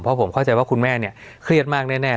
เพราะผมเข้าใจว่าคุณแม่เนี่ยเครียดมากแน่